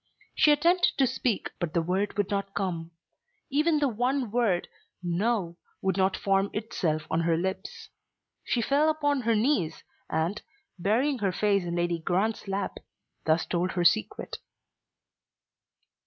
She attempted to speak but the word would not come. Even the one word, "No," would not form itself on her lips. She fell upon her knees and, burying her face in Lady Grant's lap, thus told her secret.